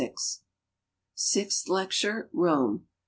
Sixth lecture — Rome.